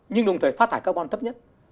nhưng đồng thời phát thải carbon thấp nhất